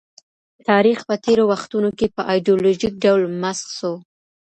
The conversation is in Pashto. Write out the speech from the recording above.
تاریخ په تېرو وختونو کي په ایډیالوژیک ډول مسخ سو.